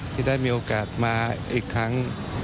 ที่ได้มีโอกาสมาอีกครั้ง